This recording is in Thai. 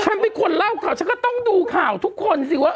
ฉันเป็นคนเล่าข่าวฉันก็ต้องดูข่าวทุกคนสิว่า